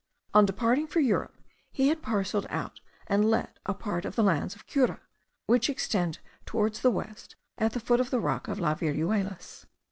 On departing for Europe he had parcelled out and let a part of the lands of Cura, which extend towards the west at the foot of the rock of Las Viruelas.